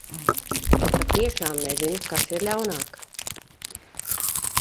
Es patiešām nezinu, kas ir ļaunāk.